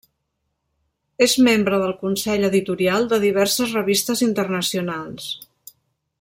És membre del consell editorial de diverses revistes internacionals.